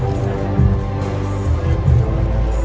สโลแมคริปราบาล